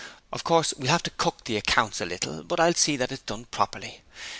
Of course, we'll have to cook the accounts a little, but I'll see that it's done properly.